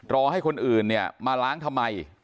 รอให้คนอื่นเนี่ยมาล้างทำไม